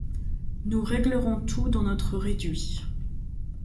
Nous réglerons tout dans notre réduit.